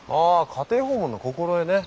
家庭訪問の心得ね。